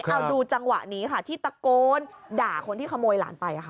เอาดูจังหวะนี้ค่ะที่ตะโกนด่าคนที่ขโมยหลานไปค่ะ